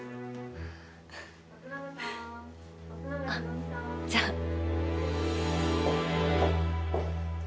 あっじゃあ。